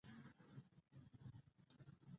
• هوښیار سړی د نورو له تجربو زدهکړه کوي.